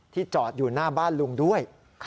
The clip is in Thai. จอดอยู่หน้าบ้านลุงด้วย